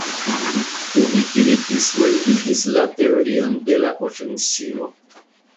Kune ili disvolvigis la "teorion de la ofensivo".